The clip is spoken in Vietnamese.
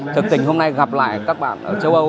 thực tình hôm nay gặp lại các bạn ở châu âu